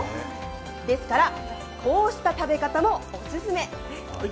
ですからこうした食べ方もオススメ。